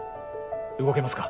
動けますか？